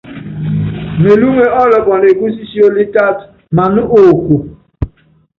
Melúŋe ɔ́lɔpɔnɔ ékúsi siólí ítátɔ́ maná oko.